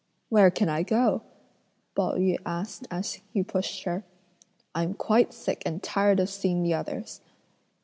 "Where can I go?" Pao yü asked as he pushed her. "I'm quite sick and tired of seeing the others."